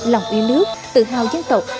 lòng yêu nước tự hào dân tộc